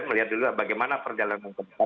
melihat dulu bagaimana perjalanan kita